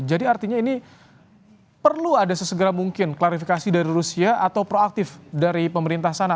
jadi artinya ini perlu ada sesegera mungkin klarifikasi dari rusia atau proaktif dari pemerintah sana